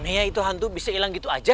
aneh ya itu hantu bisa ilang gitu aja